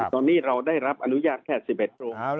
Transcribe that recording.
ตอนนี้เราได้รับอนุญาตแค่๑๑โรง